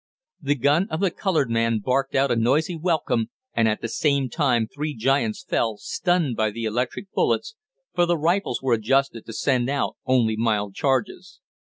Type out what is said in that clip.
The gun of the colored man barked out a noisy welcome, and, at the same time three giants fell, stunned by the electric bullets, for the rifles were adjusted to send out only mild charges.